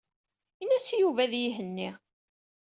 Ini-as i Yuba ad iyi-ihenni.